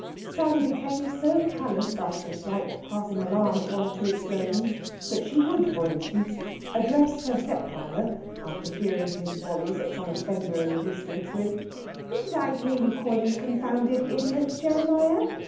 Sally became so callous after a slight passing alarm at one or two explosions that she would, for instance, address her stepfather, after hearing his volleys at some offender in the distance, with, "Who did I hear you calling a confounded idiot, Jeremiah?"